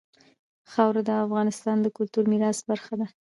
خاوره د افغانستان د کلتوري میراث برخه ده.